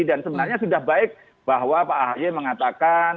dan sebenarnya sudah baik bahwa pak ahayu mengatakan